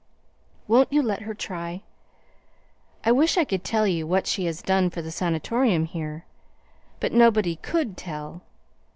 Won't you let her try? I wish I could tell you what she has done for the Sanatorium here, but nobody could TELL.